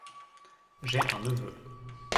J’ai un neveu.